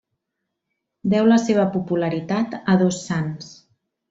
Deu la seva popularitat a dos sants.